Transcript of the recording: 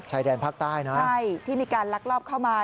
ชายแดนภาคใต้นะใช่ที่มีการลักลอบเข้ามา